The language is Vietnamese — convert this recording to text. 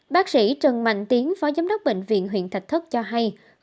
bác sĩ trần mạnh tiến phó giám đốc bệnh viện huyện thạch thất cho hay